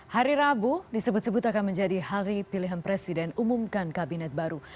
hari rabu disebut sebut akan menjadi hari pilihan presiden umumkan kabinet baru